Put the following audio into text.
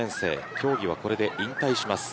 競技はこれで引退します。